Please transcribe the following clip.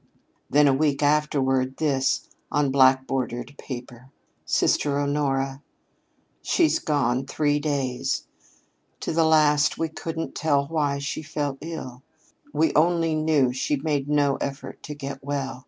Then, a week afterward, this on black bordered paper: "SISTER HONORA: "She's been gone three days. To the last we couldn't tell why she fell ill. We only knew she made no effort to get well.